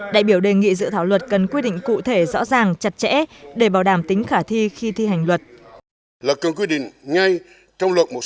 đại biểu đề nghị dự thảo luật cần quy định cụ thể rõ ràng chặt chẽ để bảo đảm tính khả thi khi thi hành luật